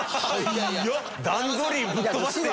段取りぶっ飛ばして。